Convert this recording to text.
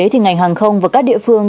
thì ngành hàng không và các địa phương